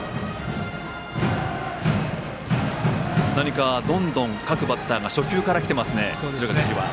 何か、どんどん各バッターが初球から来ていますね敦賀気比は。